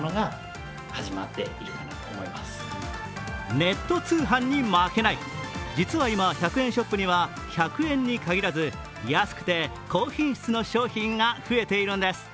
ネット通販に負けない、実は今１００円ショップには１００円に限らず、安くて高品質の商品が増えているんです。